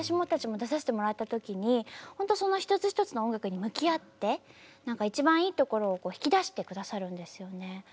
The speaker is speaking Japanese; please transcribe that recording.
私たちも出させてもらった時にほんとその一つ一つの音楽に向き合って何か一番いいところを引き出して下さるんですよね。